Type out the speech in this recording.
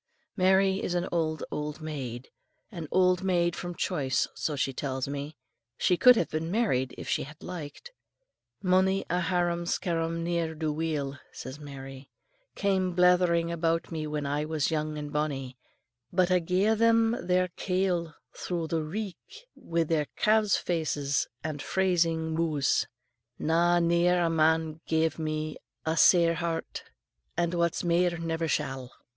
Mary is an old, old maid, an old maid from choice so she tells me, she could have been married if she had liked. "Mony a harum scarum ne'er do weel," says Mary, "came blethering about me when I was young and bonnie, but I ga'e them a' their kail thro' the reek, wi' their calves' faces and phrasing mou's. Na, ne'er a man gave me a sair heart, and what's mair never shall."